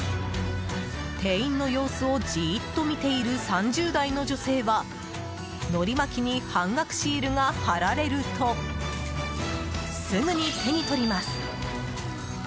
店員の様子をじーっと見ている３０代の女性はのり巻きに半額シールが貼られるとすぐに手に取ります。